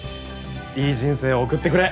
いい人生を送ってくれ。